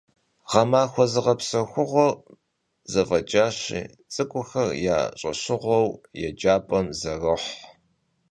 Ğemaxue zığepsexuğuer zef'eç'aşi, ts'ık'uxer ya ş'eşığueu yêcap'em zeroh.